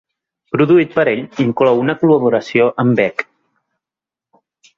Produït per ell, inclou una col·laboració amb Beck.